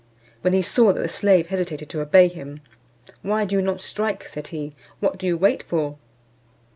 When he saw that the slave hesitated to obey him, "Why do you not strike?" said he. "What do you wait for?"